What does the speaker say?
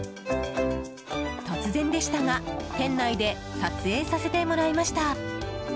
突然でしたが店内で撮影させてもらいました。